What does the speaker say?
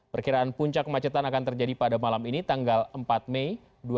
perkiraan puncak kemacetan akan terjadi pada malam ini tanggal empat mei dua ribu dua puluh